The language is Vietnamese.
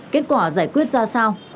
kết quả giải quyết ra sao